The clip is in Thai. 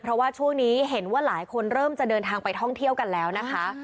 เพราะว่าช่วงนี้เห็นว่าหลายคนเริ่มจะเดินทางไปท่องเที่ยวกันแล้วนะคะ